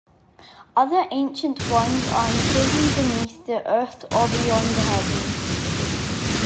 Other Ancient Ones are imprisoned beneath the Earth or beyond the Heavens.